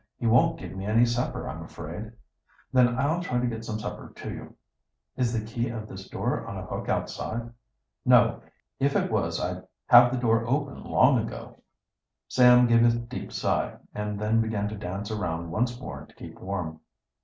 He won't give me any supper, I'm afraid." "Then I'll try to get some supper to you." "Is the key of this door on a hook outside?" "No. If it was I'd have the door open long ago." Sam gave a deep sigh, and then began to dance around once more to keep warm.